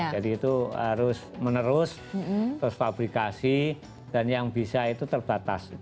jadi itu harus menerus terus fabrikasi dan yang bisa itu terbatas